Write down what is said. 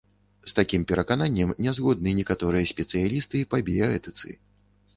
З такім перакананнем нязгодны некаторыя спецыялісты па біяэтыцы.